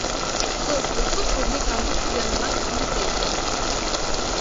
Сос, осҡор күҙле кондуктор яныңа килеп тә етә.